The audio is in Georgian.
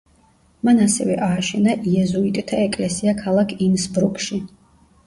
მან ასევე ააშენა იეზუიტთა ეკლესია ქალაქ ინსბრუკში.